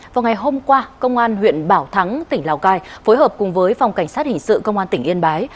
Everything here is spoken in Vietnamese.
vào ngày hôm qua công an huyện bảo thắng tỉnh lào cai phối hợp cùng với phòng cảnh sát hình sự công an tỉnh yên bái